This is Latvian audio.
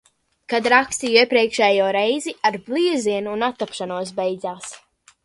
Kad rakstīju iepriekšējo reizi, ar bliezienu un attapšanos beidzās.